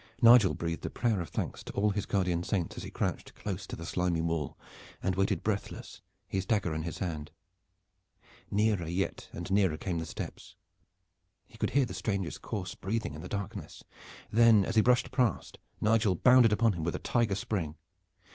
Nigel breathed a prayer of thanks to all his guardian saints as he crouched close to the slimy wall and waited breathless, his dagger in his hand. Nearer yet and nearer came the steps. He could hear the stranger's coarse breathing in the darkness. Then as he brushed past Nigel bounded upon him with a tiger spring.